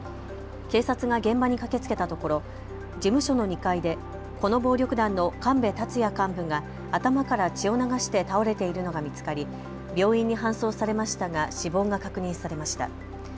警察が現場に駆けつけたところ事務所の２階でこの暴力団の神部達也幹部が頭から血を流して倒れているのが見つかり病院に搬送されましたが死亡が確認されました。